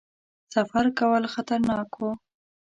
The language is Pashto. سفر کول خطرناک وو.